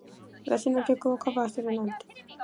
私の曲をカバーするなんて。